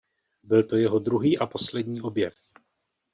Byl to jeho druhý a poslední objev.